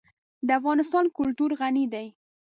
د افغانستان کلتور غني دی.